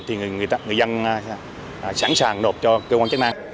thì người dân sẵn sàng nộp cho cơ quan chức năng